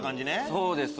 そうです